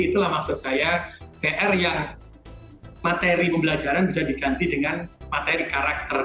itulah maksud saya pr yang materi pembelajaran bisa diganti dengan materi karakter